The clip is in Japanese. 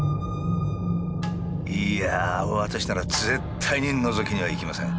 いやあ私なら絶対にのぞきには行きません。